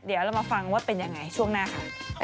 เดี๋ยวเรามาฟังว่าเป็นยังไงช่วงหน้าค่ะ